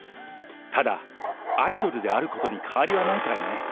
ただ、アイドルであることに変わりはないからね。